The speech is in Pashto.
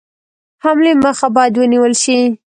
حملې مخه باید ونیوله شي.